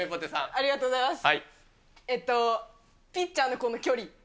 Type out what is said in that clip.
ありがとうございます。